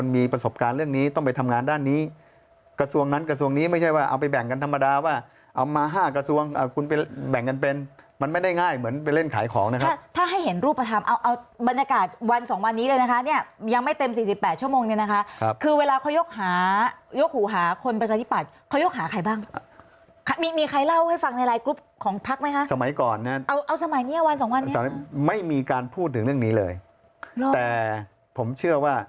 มีประสบการณ์เรื่องนี้ต้องไปทำงานด้านนี้กระทรวงนั้นกระทรวงนี้ไม่ใช่ว่าเอาไปแบ่งกันธรรมดาว่าเอามา๕กระทรวงเอาคุณไปแบ่งกันเป็นมันไม่ได้ง่ายเหมือนไปเล่นขายของนะครับถ้าให้เห็นรูปประทามเอาบรรยากาศวัน๒วันนี้เลยนะครับเนี่ยยังไม่เต็ม๔๘ชั่วโมงเลยนะครับคือเวลาเขายกหายกหูหาคนประสาทิบัติเขายกห